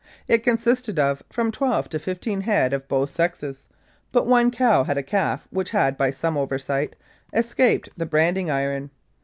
It consisted of from twelve to fifteen head of both sexes, but one cow had a calf which had, by some oversight, escaped the branding iron.